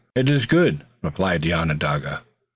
"It is good," replied the Onondaga.